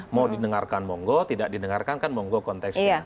mau didengarkan monggo tidak didengarkan kan monggo konteksnya